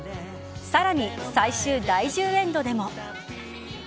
さらに、最終第１０エンドでも。